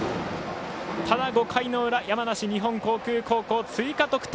ただ、５回の裏山梨・日本航空高校追加得点。